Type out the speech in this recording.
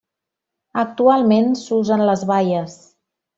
Actualment s'usen les baies.